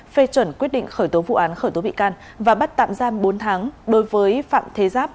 phê chuẩn quyết định khởi tố vụ án khởi tố bị can và bắt tạm giam bốn tháng đối với phạm thế giáp